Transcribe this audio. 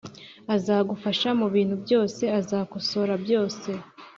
azagufasha mubintu byose, azakosora byose